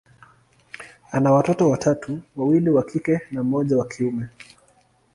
ana watoto watatu, wawili wa kike na mmoja wa kiume.